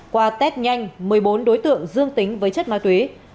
qua test nhanh một mươi bốn đối tượng dương tính với chất ma túy